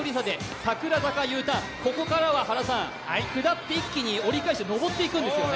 ここからは下って一気に折り返して上っていくんですよね。